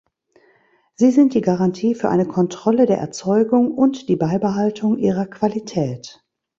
Sie sind die Garantie für eine Kontrolle der Erzeugung und die Beibehaltung ihrer Qualität.